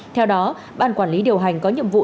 theo đó ban quản lý điều hành có nhiệm vụ